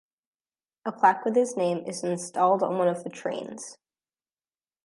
A plaque with his name is installed on one of the trains.